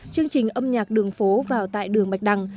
chương trình âm nhạc đường phố vào tại đường bạch đăng